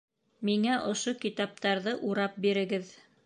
Миңә ошо китаптарҙы урап бирегеҙ